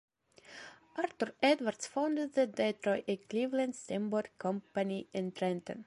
Arthur Edwards founded the Detroit and Cleveland Steamboat Company in Trenton.